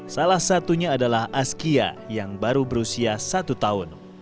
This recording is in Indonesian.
salah satunya adalah askia yang baru berusia satu tahun